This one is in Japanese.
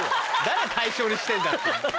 誰対象にしてんだ？